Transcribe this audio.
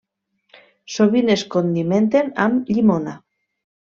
Sovint es condimenten amb llimona.